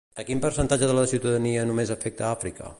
A quin percentatge de la ciutadania només afecta a Àfrica?